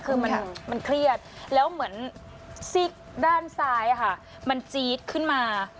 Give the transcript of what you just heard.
คือมันเครียดแล้วเหมือนซีกด้านซ้ายค่ะมันจี๊ดขึ้นมา